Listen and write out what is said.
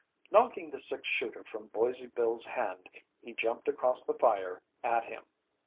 Knocking the six shooter from Boise Bill's hand he jumped across the fire at him.